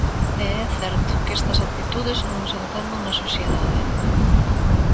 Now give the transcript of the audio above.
E é certo que estas actitudes non se entenden na sociedade.